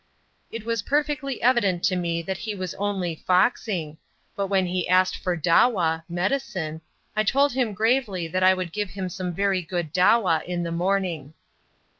It was perfectly evident to me that he was only "foxing," but when he asked for dawa (medicine), I told him gravely that I would give him some very good dawa in the morning.